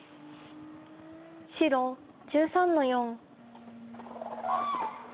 白１３の四。